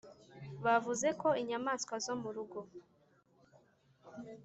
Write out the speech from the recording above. bavuze ko inyamaswa zo mu rugo